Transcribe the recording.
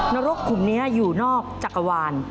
นรกกลุ่มนี้อยู่นอกจักรวาล